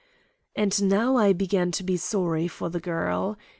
And now I began to be sorry for the girl.